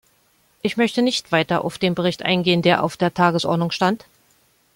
Ich möchte nicht weiter auf den Bericht eingehen, der auf der Tagesordnung stand.